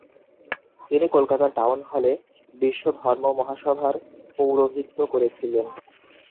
তিনি কলকাতার টাউন হলে বিশ্বধর্মমহাসভার পৌরোহিত্য করেছিলেন।